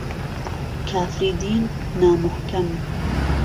کافری دین نا موحکەم